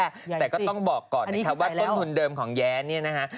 แต่ก็ต้องบอกก่อนนะคะว่าต้นทุนเดิมของแย้เนี่ยนะคะ